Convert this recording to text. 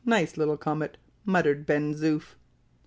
nice little comet!" muttered Ben Zoof.